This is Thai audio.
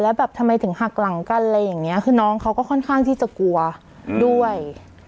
แล้วแบบทำไมถึงหักหลังกันอะไรอย่างนี้คือน้องเขาก็ค่อนข้างที่จะกลัวด้วย